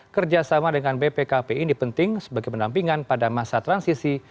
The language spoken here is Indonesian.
kerjasama dengan bpkp ini penting sebagai penampingan pada masa transisi